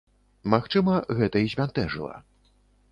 Магчыма, гэта і збянтэжыла.